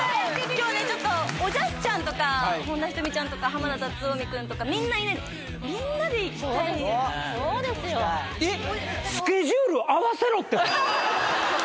今日ねおじゃすちゃんとか本田仁美ちゃんとか濱田龍臣くんとかみんないないんでそうですよえっ？